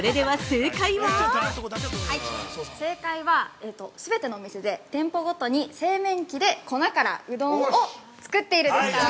◆正解は、全てのお店で店舗ごとに製麺機で粉からうどんを作っているでした。